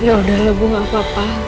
yaudahlah ibu gak apa apa